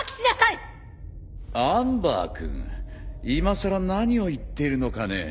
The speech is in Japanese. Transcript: アンバー君いまさら何を言っているのかね。